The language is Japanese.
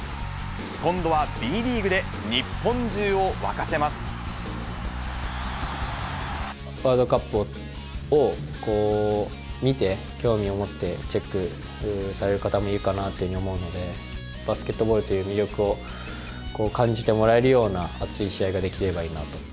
今度はＢリーグで、日本中を沸かワールドカップを見て、興味を持ってチェックされる方もいるかなと思うので、バスケットボールという魅力を感じてもらえるような、熱い試合ができればいいなと。